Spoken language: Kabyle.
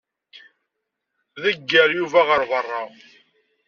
Ḍegger Yuba ɣer beṛṛa.